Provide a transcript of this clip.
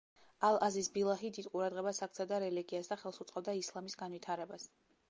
ალ-აზიზ ბილაჰი დიდ ყურადღებას აქცევდა რელიგიას და ხელს უწყობდა ისლამის განვითარებას.